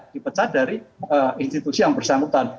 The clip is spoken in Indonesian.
dipecat dari institusi yang bersangkutan